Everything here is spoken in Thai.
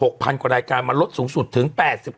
๖๐๐๐กว่ารายการมาลดสูงสุดถึง๘๕